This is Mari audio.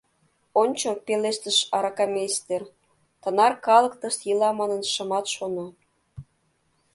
— Ончо, — пелештыш аракамейстер, — тынар калык тыште ила манын шымат шоно!